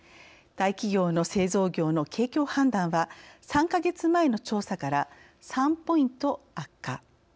大企業の製造業の景況判断は３か月前の調査から３ポイント悪化。